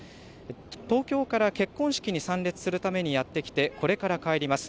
東京から結婚式に参列するためにやって来て、これから帰ります。